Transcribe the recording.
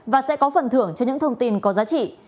và sẽ có phần thưởng cho những thông tin có giá trị